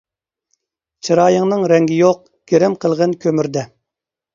چىرايىڭنىڭ رەڭگى يوق، گىرىم قىلغىن كۆمۈردە.